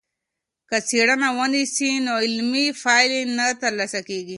که څېړنه ونسي، نو علمي پايلې نه ترلاسه کيږي.